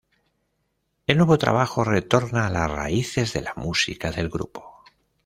El nuevo trabajo retorna a las raíces de la música del grupo.